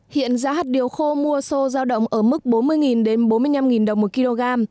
hiện giá hạt điều khô mua sô giao động ở mức bốn mươi đến bốn mươi năm đồng một kg